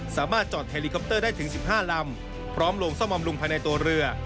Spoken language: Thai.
สามารถจอดเฮลิคอปเตอร์ได้ถึง๑๕ลำพร้อมลงซ่อมบำรุงภายในตัวเรือ